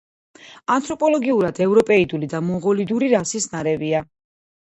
ანთროპოლოგიურად ევროპეიდული და მონღოლოიდური რასის ნარევია.